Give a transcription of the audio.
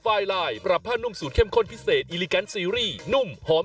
เปิ้ลฝ่ายหลายปรับผ้านนุ่มสูตรเข้มข้นพิเศษอิลลิเก็นซีรีย์นุ่มหอม